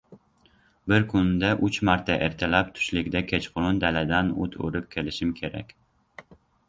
Bir kunda uch marta – ertalab, tushlikda, kechqurun daladan o‘t o‘rib kelishim kerak.